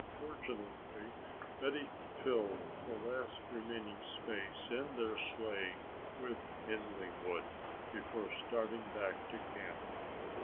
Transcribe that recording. Fortunately, Betty had filled the last remaining space in their sleigh with kindling wood before starting back to camp.